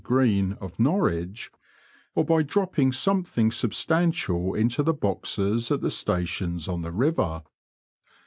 Greene, of Norwich, or by dropping something sub stantial into the boxes at the stations on the river.